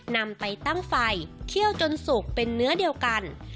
นำไปตั้งไฟเคี่ยวจนสุกเป็นเนื้อเดียวกัน